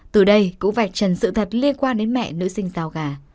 từ đây cũng vạch trần sự thật liên quan đến mẹ nữ sinh giao gà